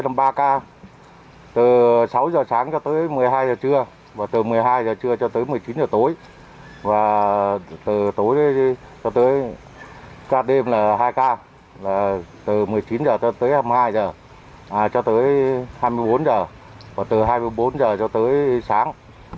là từ một mươi chín giờ cho tới hai mươi hai giờ cho tới hai mươi bốn giờ và từ hai mươi bốn giờ cho tới sáng